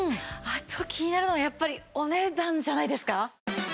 あと気になるのはやっぱりお値段じゃないですか？